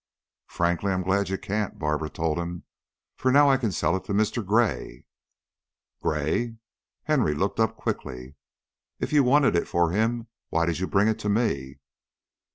"Frankly, I'm glad you can't," Barbara told him, "for now I can sell it to Mr. Gray." "Gray?" Henry looked up quickly. "If you wanted it for him, why did you bring it to me?"